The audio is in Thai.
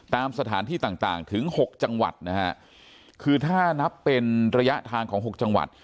ตามสถานที่ต่างต่างถึงหกจังหวัดนะฮะคือถ้านับเป็นระยะทางของหกจังหวัด